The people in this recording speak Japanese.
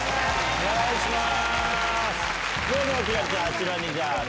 お願いします。